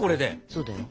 そうだよ。